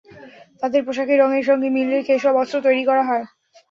তাদের পোশাকের রঙের সঙ্গে মিল রেখে এসব অস্ত্র তৈরি করা হয়।